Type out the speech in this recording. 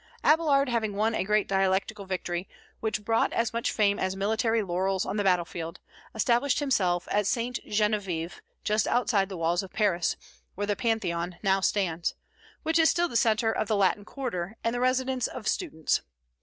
Abélard having won a great dialectical victory, which brought as much fame as military laurels on the battlefield, established himself at St. Geneviève, just outside the walls of Paris, where the Pantheon now stands, which is still the centre of the Latin quarter, and the residence of students.